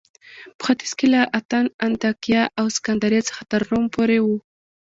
په ختیځ کې له اتن، انطاکیه او سکندریې څخه تر روم پورې و